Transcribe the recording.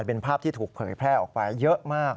เป็นภาพที่ถูกเผยแพร่ออกไปเยอะมาก